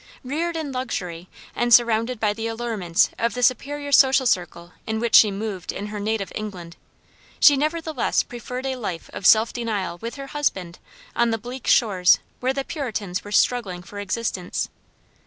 Reared in luxury, and surrounded by the allurements of the superior social circle in which she moved in her native England, she nevertheless preferred a life of self denial with her husband on the bleak shores where the Puritans were struggling for existence.